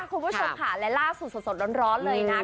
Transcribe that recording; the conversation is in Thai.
คุณผู้ชมคะลักษณ์สดร้อนเลยนะ